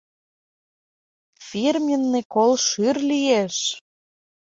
— Фирменный кол шӱр лиеш!